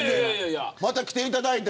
また来ていただいて。